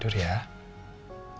biarin rina istirahat ya